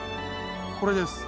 これです。